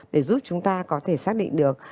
để giúp chúng ta có thể xác định được